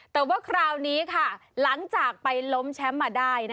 แต่ว่าคราวนี้ค่ะหลังจากไปล้มแชมป์มาได้